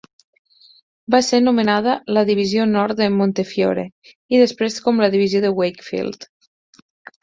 Va ser nomenada la divisió nord de Montefiore, i després com la divisió de Wakefield.